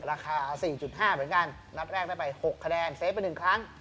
ราคา๔๕เหมือนกันนัดแรกได้ไป๖คะแนนเซฟไป๑ครั้ง